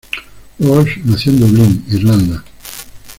Walsh nació en Dublín, Irlanda.